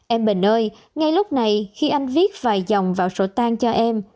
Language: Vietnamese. em bình ơi ngay lúc này khi anh viết vài dòng vào sổ tang cho em